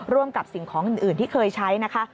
กับสิ่งของอื่นที่เคยใช้นะคะ